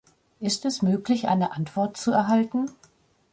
Ist es möglich, eine Antwort zu erhalten?